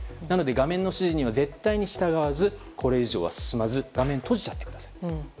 なので画面の指示には絶対に従わず、これ以上は進まず画面を閉じちゃってください。